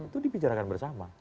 itu dipicarakan bersama